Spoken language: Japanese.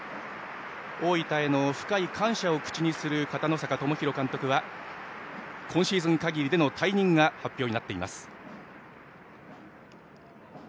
大分への深い感謝を口にする片野坂知宏監督は今シーズン限りでの退任が発表になっています。